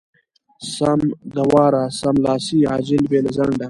سم د واره= سملاسې، عاجل، بې له ځنډه.